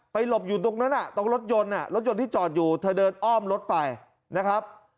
หลบอยู่ตรงนั้นตรงรถยนต์รถยนต์ที่จอดอยู่เธอเดินอ้อมรถไปนะครับ